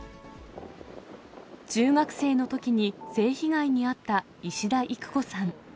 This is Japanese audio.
中学生のときに性被害に遭った石田郁子さん。